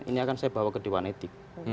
ini akan saya bawa ke dewan etik